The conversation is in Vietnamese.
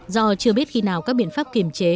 do chưa biết khi nào các biện pháp kiềm chế